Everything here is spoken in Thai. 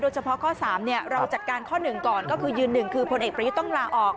โดยเฉพาะข้อ๓เราจากการข้อ๑ก่อนก็คือยืน๑คือพลเอกประยุจรรย์ต้องลาออก